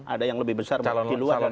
ada yang lebih besar mungkin di luar